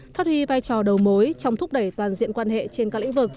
phát huy vai trò đầu mối trong thúc đẩy toàn diện quan hệ trên các lĩnh vực